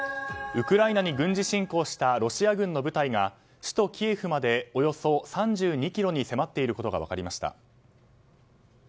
ウクライナに軍事侵攻したロシア軍の部隊が首都キエフまでおよそ３２ｋｍに迫っていることが分かりました。